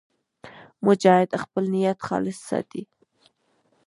مجاهد خپل نیت خالص ساتي.